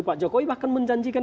pak jokowi bahkan menjanjikan